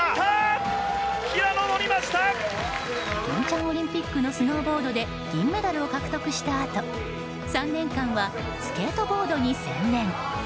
平昌オリンピックのスノーボードで銀メダルを獲得したあと３年間はスケートボードに専念。